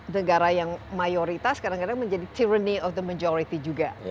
negara yang mayoritas kadang kadang menjadi tyranny of the majority juga